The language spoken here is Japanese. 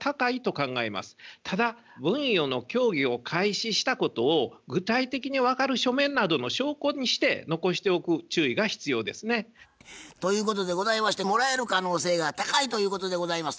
ただ分与の協議を開始したことを具体的に分かる書面などの証拠にして残しておく注意が必要ですね。ということでございましてもらえる可能性が高いということでございます。